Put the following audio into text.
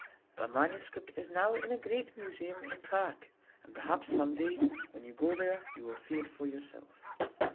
The manuscript is now in a great museum in Prague, and perhaps, some day, when you go there, you will see it for yourself.